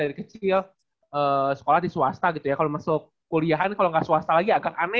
dari kecil sekolah di swasta gitu ya kalau masuk kuliahan kalau nggak swasta lagi agak aneh